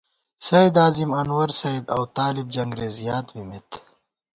سید عظیم، انورسید اؤ طالِب جنگرېز یاد بِمېت